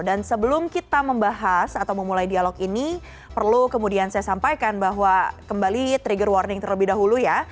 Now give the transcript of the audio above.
dan sebelum kita membahas atau memulai dialog ini perlu kemudian saya sampaikan bahwa kembali trigger warning terlebih dahulu ya